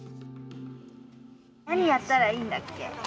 何やったらいいんだっけ？